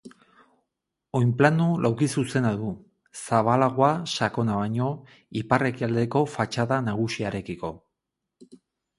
Oinplano laukizuzena du, zabalagoa sakona baino ipar-ekialdeko fatxada nagusiarekiko.